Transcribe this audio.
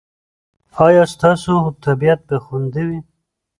ایا ستاسو طبیعت به خوندي وي؟